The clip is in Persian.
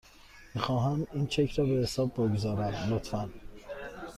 میخواهم این چک را به حساب بگذارم، لطفاً.